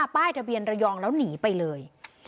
ป้ายทะเบียนระยองแล้วหนีไปเลย